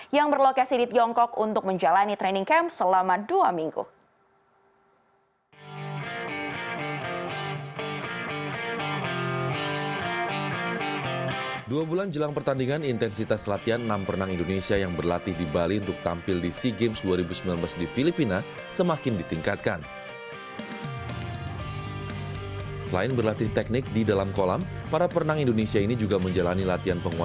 yang berlokasi di tiongkok untuk menjalani training camp selama dua minggu